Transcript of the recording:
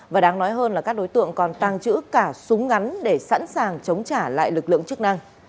và đáng nói hơn là các đối tượng còn tăng trữ cả súng ngắn để sẵn sàng chống trả lại lực lượng chức năng